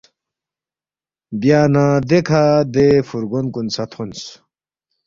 بیا نہ دیکھہ دے فُورگون کُن سہ تھونس